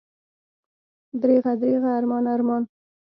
دریغه، دریغه، ارمان، ارمان!